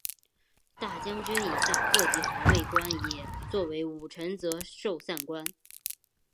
大将军以下各级环卫官也作为武臣责授散官。